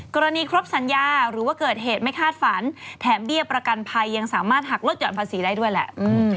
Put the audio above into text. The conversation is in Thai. กรณีครบสัญญาหรือว่าเกิดเหตุไม่คาดฝันแถมเบี้ยประกันภัยยังสามารถหักลดหย่อนภาษีได้ด้วยแหละ